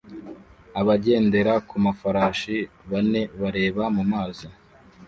Abagendera ku mafarashi bane bareba mu mazi